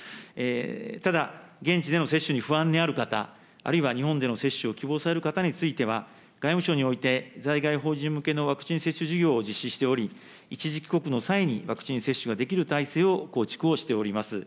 ただ現地での接種に不安のある方、あるいは日本での接種を希望される方については、外務省において、在外邦人向けのワクチン接種事業を実施しており、一時帰国の際にワクチン接種ができる体制を構築をしております。